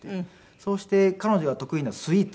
そうして彼女が得意なスイーツ。